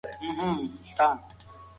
د خبرو ازادي يې ساتله.